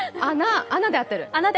穴で合ってる？